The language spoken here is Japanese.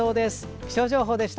気象情報でした。